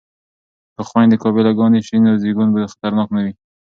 که خویندې قابله ګانې شي نو زیږون به خطرناک نه وي.